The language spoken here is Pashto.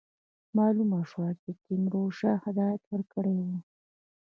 معلومه شوه چې تیمورشاه هدایت ورکړی وو.